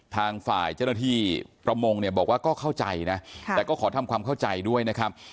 ทางฝ่ายเจ้าหน้าที่ประมงเนี่ยบอกว่าก็เข้าใจนะแต่ก็ขอทำความเข้าใจด้วยนะครับ